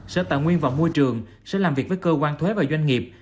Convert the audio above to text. sở tài nguyên và môi trường sẽ làm việc với cơ quan thuế và doanh nghiệp